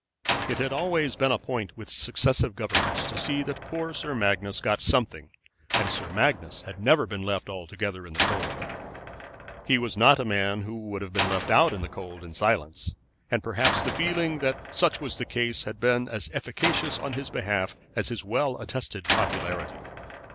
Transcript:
It had always been a point with successive governments to see that poor Sir Magnus got something, and Sir Magnus had never been left altogether in the cold. He was not a man who would have been left out in the cold in silence, and perhaps the feeling that such was the case had been as efficacious on his behalf as his well attested popularity.